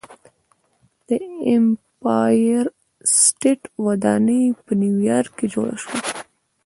د ایمپایر سټیټ ودانۍ په نیویارک کې جوړه شوه.